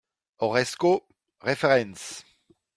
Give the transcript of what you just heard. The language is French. Horresco referens